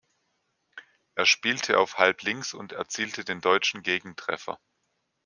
Er spielte auf Halblinks und erzielte den deutschen Gegentreffer.